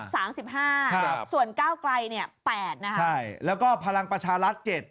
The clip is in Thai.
สามสิบห้าครับส่วนก้าวไกลเนี่ยแปดนะคะใช่แล้วก็พลังประชารัฐเจ็ด